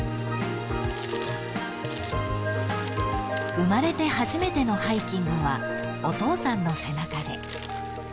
［生まれて初めてのハイキングはお父さんの背中で］